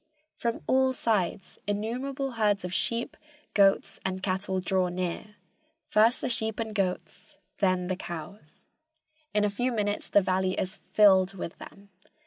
From all sides innumerable herds of sheep, goats and cattle draw near, first the sheep and goats, then the cows. In a few minutes the valley is filled with them.